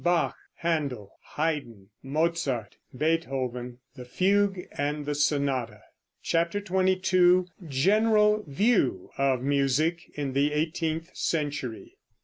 BACH, HÄNDEL, HAYDN, MOZART, BEETHOVEN. THE FUGUE AND THE SONATA. CHAPTER XXII. GENERAL VIEW OF MUSIC IN THE EIGHTEENTH CENTURY.